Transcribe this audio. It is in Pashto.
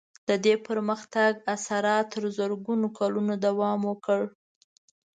د دې پرمختګ اثرات تر زرګونو کلونو دوام وکړ.